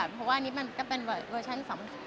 เพราะว่าอันนี้มันก็เป็นเวอร์ชั่นสำคัญ